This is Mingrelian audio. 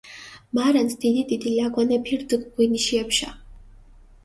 მარანს დიდი-დიდი ლაგვანეფი რდჷ ღვინიში ეფშა.